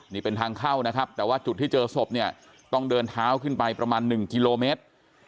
นี่เป็นทางเข้านะครับแต่ว่าจุดที่เจอศพเนี่ยต้องเดินเท้าขึ้นไปประมาณ๑กิโลเมตร